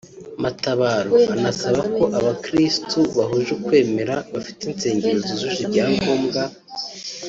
Matabaro anasaba ko abakirisitu bahuje ukwemera bafite insengero zujuje ibyangombwa